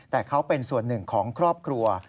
แต่เขาเป็นส่วนหนึ่งของครอบครัว